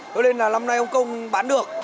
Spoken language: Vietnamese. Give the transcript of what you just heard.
thế nên là lâm nay ông công bán được